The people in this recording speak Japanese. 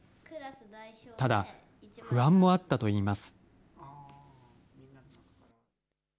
ただ、不安もあったといいます。